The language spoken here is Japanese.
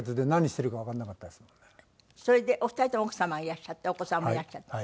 それでお二人とも奥様がいらっしゃってお子さんもいらっしゃって。